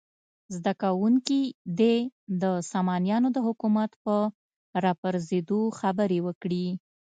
زده کوونکي دې د سامانیانو د حکومت په راپرزېدو خبرې وکړي.